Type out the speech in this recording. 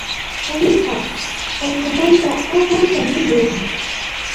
Quriqa qullqimanta aswan chaniyuq